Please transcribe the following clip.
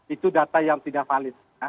itu data yang tidak valid